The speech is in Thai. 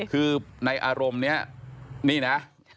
คือในอารมณ์นี้นี่นะ